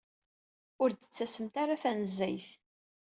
Ur d-tettasemt ara tanezzayt.